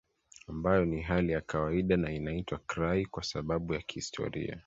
ambayo ni hali ya kawaida na inaitwa krai kwa sababu za kihistoria